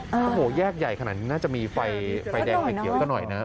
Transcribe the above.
โอ้โหแยกใหญ่ขนาดนี้น่าจะมีไฟแดงไฟเขียวซะหน่อยนะ